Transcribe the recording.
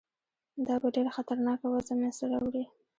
دا به ډېره خطرناکه وضع منځته راوړي.